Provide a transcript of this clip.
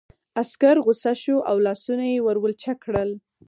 عسکر غوسه شو او لاسونه یې ور ولچک کړل